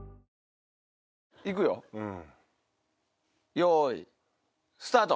よいスタート。